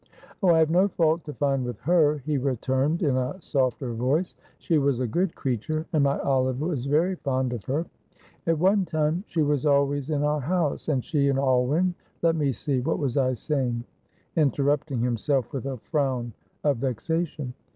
"Oh, I have no fault to find with her," he returned, in a softer voice. "She was a good creature, and my Olive was very fond of her. At one time she was always in our house, and she and Alwyn let me see, what was I saying?" interrupting himself with a frown of vexation.